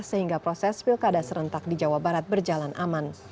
sehingga proses pilkada serentak di jawa barat berjalan aman